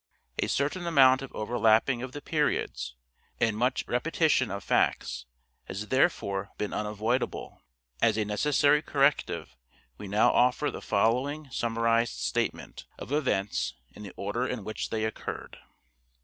A certain amount of overlapping of the periods and much repetition of facts has there fore been unavoidable. As a necessary corrective we now offer the following summarized statement of events in the order in which they occurred.